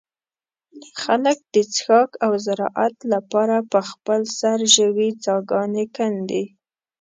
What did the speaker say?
خلک د څښاک او زراعت له پاره په خپل سر ژوې څاګانې کندي.